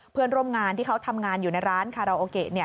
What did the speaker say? เพื่อนร่วมงานที่เขาทำงานอยู่ในร้านคาราโอเกะ